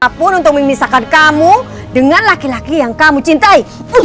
siapapun untuk memisahkan kamu dengan laki laki yang kamu cintai